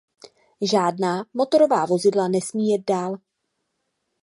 Žádná motorová vozidla nesmí jet dál.